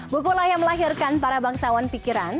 bukulah yang melahirkan para bangsawan pikiran